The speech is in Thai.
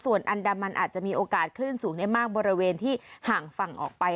ส่วนอันดามันอาจจะมีโอกาสคลื่นสูงได้มากบริเวณที่ห่างฝั่งออกไป